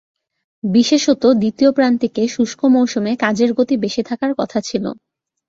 বিশেষত দ্বিতীয় প্রান্তিকে শুষ্ক মৌসুমে কাজের গতি বেশি থাকার কথা ছিল।